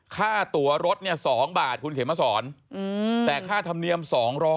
ค่าตัวรถเนี่ย๒บาทคุณเขมสอนแต่ค่าธรรมเนียม๒๐๐